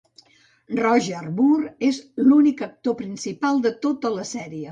Roger Moore és l'únic actor principal de tota la sèrie.